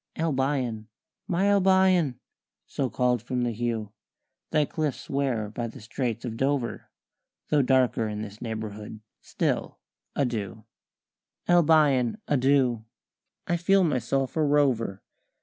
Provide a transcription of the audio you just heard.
"Albion! My Albion! So called from the hue Thy cliffs wear by the Straits of Dover Though darker in this neighbourhood still adieu! Albion, adieu! I feel myself a rover.